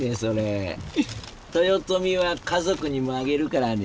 豊臣は家族にもあげるからね。